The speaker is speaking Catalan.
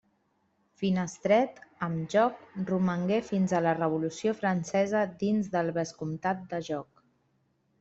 Finestret, amb Jóc, romangué fins a la Revolució Francesa dins del Vescomtat de Jóc.